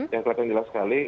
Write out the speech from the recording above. yang kelihatan jelas sekali